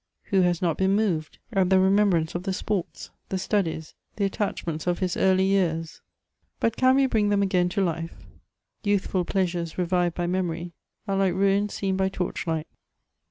Who has not heen moved at the remembrance of the sports, the studies, the attachments of his early jears ? But can we bring them again to life ? Yonthlul plesbsures reyiyed by memory are like ruins seen by torchlight.